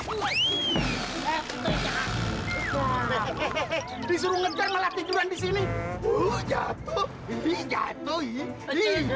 hai hehehe disuruh mencermati juran disini jatuh jatuh